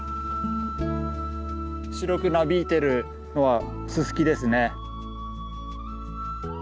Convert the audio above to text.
白くなびいてるのはススキですね。